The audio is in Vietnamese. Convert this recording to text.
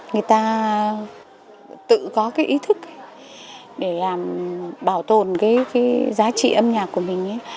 người ta tự có cái ý thức để làm bảo tồn cái giá trị âm nhạc của mình ấy